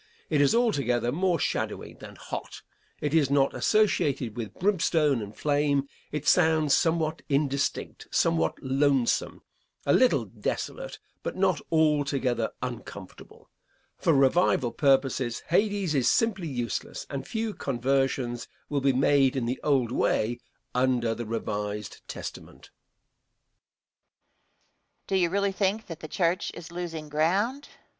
It is altogether more shadowy than hot. It is not associated with brimstone and flame. It sounds somewhat indistinct, somewhat lonesome, a little desolate, but not altogether uncomfortable. For revival purposes, Hades is simply useless, and few conversions will be made in the old way under the revised Testament. Question. Do you really think that the church is losing ground?